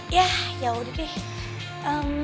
yah yaudah deh